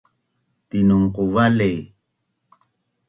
Tinongqu vali